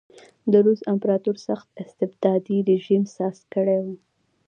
د روس امپراتور سخت استبدادي رژیم ساز کړی و.